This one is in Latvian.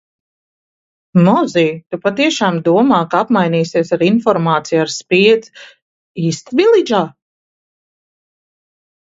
Mozij, tu patiešām domā, ka apmainīsies ar informāciju ar spiedzi Īstvilidžā?